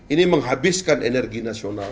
ini menghabiskan energi nasional